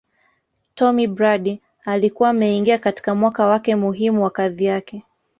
Tomm Brady alikuwa ameingia katika mwaka wake muhimu wa kazi yake